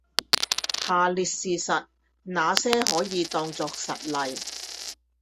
下列事實，那些可以當作實例？